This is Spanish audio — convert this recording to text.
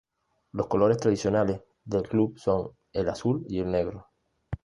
Los colores tradicionales del club son el azul y el negro.